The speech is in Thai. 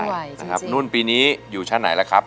ทนไม่ไหวจริงนะครับนู่นปีนี้อยู่ชั้นไหนละครับ